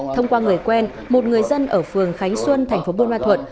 thông qua người quen một người dân ở phường khánh xuân thành phố bôn ma thuận